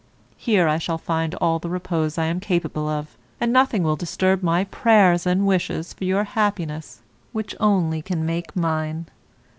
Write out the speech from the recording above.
Here I shall find all the repose I am capable of, and nothing will disturb my prayers and wishes for your happiness which only can make mine.